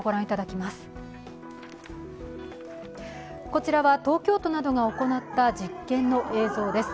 こちらは東京都などが行った実験の映像です。